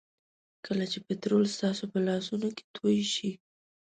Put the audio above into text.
کله چې پټرول ستاسو په لاسونو کې توی شي.